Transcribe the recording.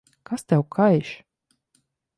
Kas tev kaiš?